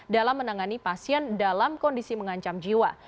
dalam menangani pasien dalam kondisi mengancam jiwa